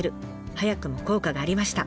早くも効果がありました。